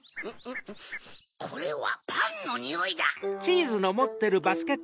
これはパンのにおいだ！